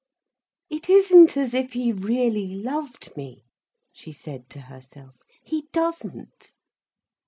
"It isn't as if he really loved me," she said to herself. "He doesn't.